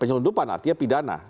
penyelundupan artinya pidana